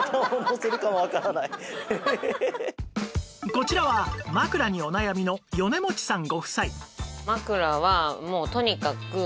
こちらは枕にお悩みの米持さんご夫妻